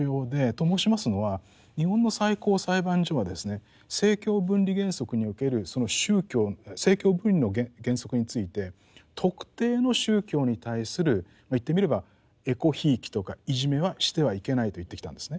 と申しますのは日本の最高裁判所は政教分離原則におけるその宗教政教分離の原則について特定の宗教に対する言ってみればえこひいきとかいじめはしてはいけないと言ってきたんですね。